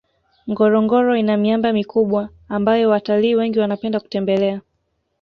ngorongoro ina miamba mikubwa ambayo watalii wengi wanapenda kutembelea